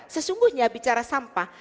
sesungguhnya bicara sampah